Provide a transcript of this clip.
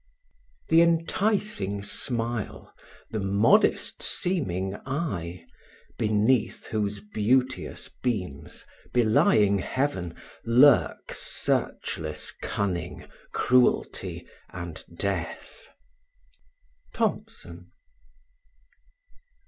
The enticing smile, the modest seeming eye. Beneath whose beauteous beams, belying heaven. Lurk searchless cunning, cruelty, and death. Thomson.